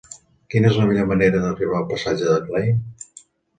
Quina és la millor manera d'arribar al passatge de Klein?